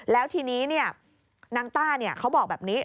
แล้วทีนี้นางต้าเขาบอกแบบนี้